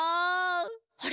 あれ？